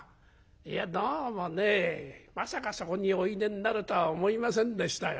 いやどうもねまさかそこにおいでになるとは思いませんでしたよ」。